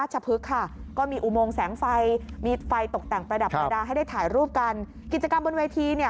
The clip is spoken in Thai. ให้ได้ถ่ายรูปกันกิจกรรมบนเวทีเนี่ย